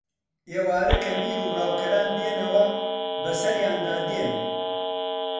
ئێوارە کە میر و ڕاوکەران دێنەوە بەسەریاندا دێن